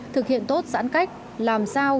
thực hiện tốt sẵn cách làm sao